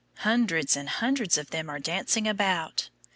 Hundreds and hundreds of them are dancing about.